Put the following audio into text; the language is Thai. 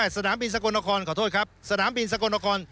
สนามบินสกลนครขอโทษครับสนามบินสกลนคร